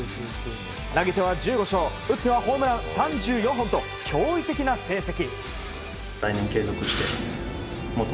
投げては１５勝打ってはホームラン３４本と驚異的な成績。